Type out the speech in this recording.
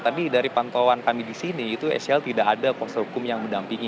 tadi dari pantauan kami di sini itu shell tidak ada kuasa hukum yang mendampingi